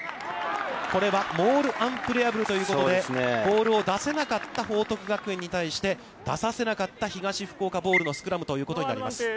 これはモールアンプレアブルということで、ボールを出せなかった報徳学園に対して、出させなかった東福岡ボールのスクラムということになります。